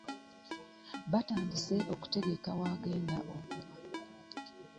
Batandise okutegeka w'agenda okuba.